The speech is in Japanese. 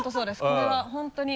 これは本当に。